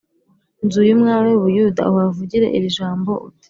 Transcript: Nzu y umwami w u buyuda uhavugire iri jambo uti